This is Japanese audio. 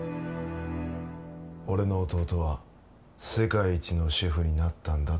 「俺の弟は世界一のシェフになったんだと」